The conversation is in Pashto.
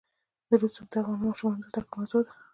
رسوب د افغان ماشومانو د زده کړې موضوع ده.